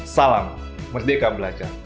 salam merdeka belajar